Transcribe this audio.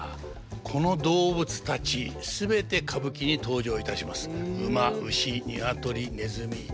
この動物たち全て歌舞伎に登場いたします。